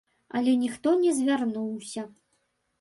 Але ніхто не звярнуўся.